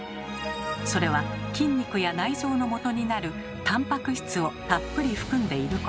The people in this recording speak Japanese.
それは筋肉や内臓のもとになるタンパク質をたっぷり含んでいること。